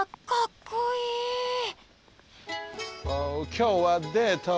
きょうはデート。